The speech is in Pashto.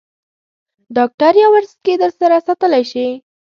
ډاکټر یاورسکي در سره ساتلای شې.